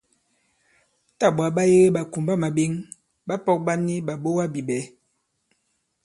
Tâ ɓwǎ ɓa yege ɓàkùmbamàɓěŋ, ɓapɔ̄k ɓa ni ɓàɓogabìɓɛ̌.